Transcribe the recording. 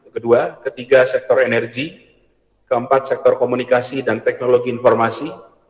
kedua ketiga sektor energi keempat sektor komunikasi dan teknologi informasi